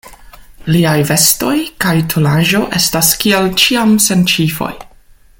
Liaj vestoj kaj tolaĵo estas kiel ĉiam sen ĉifoj.